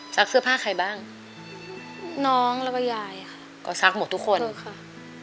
เสื้อผ้าใครบ้างน้องแล้วก็ยายค่ะก็ซักหมดทุกคนค่ะ